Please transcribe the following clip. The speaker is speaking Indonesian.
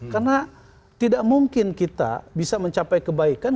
karena tidak mungkin kita bisa mencapai kebaikan